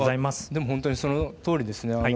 でも本当にそのとおりですね。